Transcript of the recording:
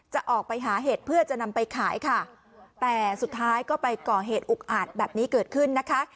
จะออกไปหาเห็ดเพื่อจะนำไปขายค่ะแต่สุดท้ายก็ไปก่อเหตุอุกอาจแบบนี้เกิดขึ้นนะคะ